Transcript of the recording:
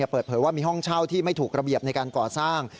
เปิดเผยว่ามีห้องเช่าที่ไม่ถูกระเบียบในการก่อสร้าง